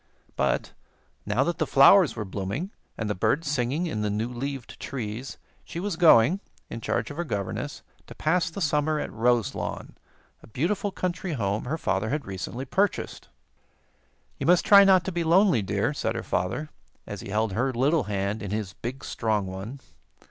But, now that the flowers were blooming and the birds singing in the new leaved trees, she was going, in charge of her governess, to pass the summer at Roselawn, a beautiful country home her father had recently purchased. "You must try not to be lonely, dear," said her father, as he held her little hand in his big, strong one.